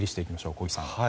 小木さん。